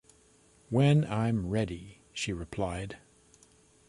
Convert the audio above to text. “When I’m ready,” she replied.